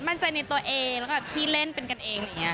มั่นใจในตัวเองแล้วก็พี่เล่นเป็นกันเอง